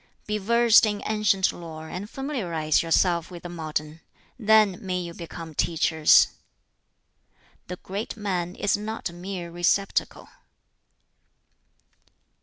"Be versed in ancient lore, and familiarize yourself with the modern; then may you become teachers. "The great man is not a mere receptacle."